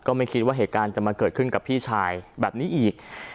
ไม่คิดว่าเหตุการณ์จะมาเกิดขึ้นกับพี่ชายแบบนี้อีก